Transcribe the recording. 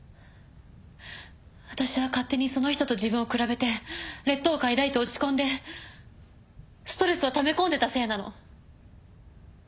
私は勝手にその人と自分を比べて劣等感抱いて落ち込んでストレスをため込んでたせいなの。